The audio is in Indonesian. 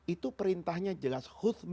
itu perintahnya jelas